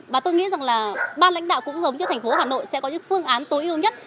và tôi nghĩ rằng là ban lãnh đạo cũng giống như thành phố hà nội sẽ có những phương án tối ưu nhất